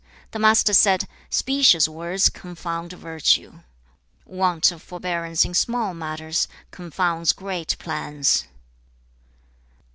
The Master said, 'Specious words confound virtue. Want of forbearance in small matters confounds great plans.'